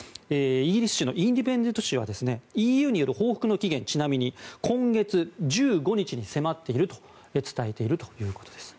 イギリス紙のインディペンデント紙はＥＵによる報復の期限ちなみに今月１５日に迫っていると伝えているということです。